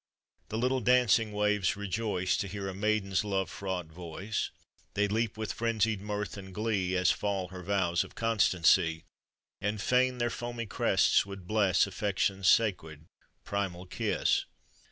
The little dancing waves rejoice To hear a maiden's love fraught voice; They leap with frenzied mirth and glee, As fall her vows of constancy. And fain their foamy crests would bless, Affection's sacred, primal kiss.